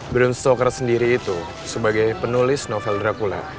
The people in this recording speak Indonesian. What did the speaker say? brun stoker sendiri itu sebagai penulis novel dracula